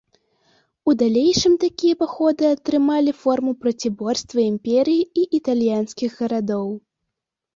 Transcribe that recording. У далейшым такія паходы атрымалі форму проціборства імперыі і італьянскіх гарадоў.